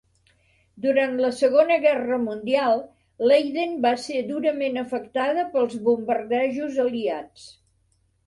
Durant la Segona Guerra Mundial, Leiden va ser durament afectada pels bombardejos aliats.